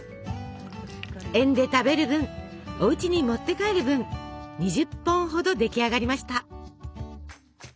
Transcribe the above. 園で食べる分おうちに持って帰る分２０本ほど出来上がりました。